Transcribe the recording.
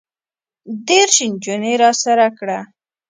دېرش نجونې راسره کړه.